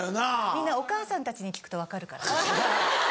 みんなお母さんたちに聞くと分かるからね。